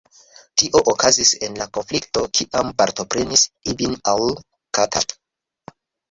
Tio okazis en la konflikto kiam partoprenis Ibn al-Khattab.